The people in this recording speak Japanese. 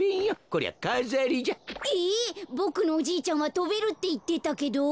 ボクのおじいちゃんはとべるっていってたけど？